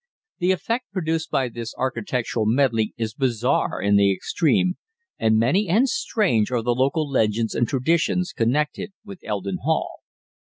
The effect produced by this architectural medley is bizarre in the extreme, and many and strange are the local legends and traditions connected with Eldon Hall.